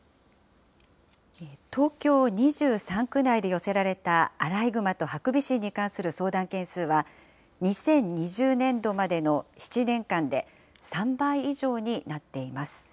東京２３区内で寄せられたアライグマとハクビシンに関する相談件数は、２０２０年度までの７年間で３倍以上になっています。